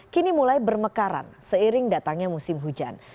kini mulai bermekaran seiring datangnya musim hujan